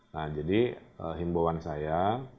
nah jadi himbauan saya